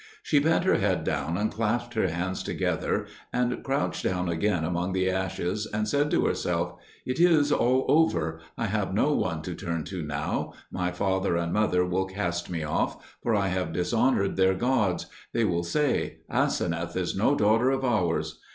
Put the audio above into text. She bent her head down and clasped her hands together, and crouched down again among the ashes, and said to herself, "It is all over. I have no one to turn to now. My father and mother will cast me off, for I have dishonoured their gods; they will say, 'Aseneth is no daughter of ours.'